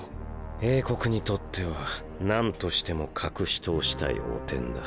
英国にとっては何としても隠し通したい汚点だ。